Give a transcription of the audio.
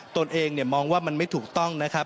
ตนเองมองว่ามันไม่ถูกต้องนะครับ